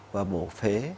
và bổ phế